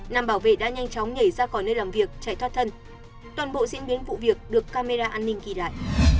nam bảo vệ đã nhanh chóng nhảy ra khỏi nơi làm việc chạy thoát thân toàn bộ diễn biến vụ việc được camera an ninh ghi lại